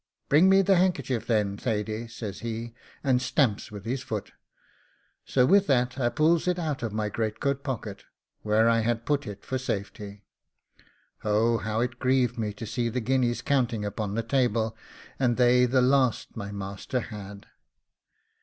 'Bring me the handkerchief, then, Thady,' says he, and stamps with his foot; so with that I pulls it out of my greatcoat pocket, where I had put it for safety. Oh, how it grieved me to see the guineas counting upon the table, and they the last my master had!